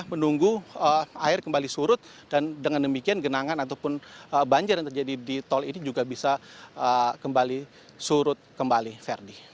menunggu air kembali surut dan dengan demikian genangan ataupun banjir yang terjadi di tol ini juga bisa kembali surut kembali verdi